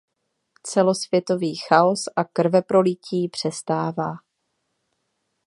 Celosvětový chaos a krveprolití přestává.